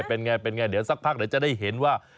เป็นไงเป็นไงเดี๋ยวสักพักเดี๋ยวจะได้เห็นว่า